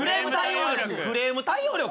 クレーム対応力！